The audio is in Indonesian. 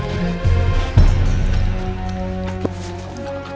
risa dimana kok